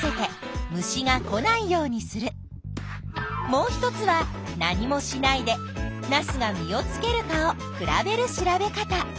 もう１つは何もしないでナスが実をつけるかを比べる調べ方。